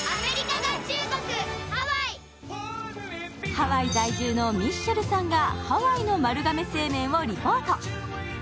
ハワイ在住のミッシェルさんがハワイの丸亀製麺をリポート。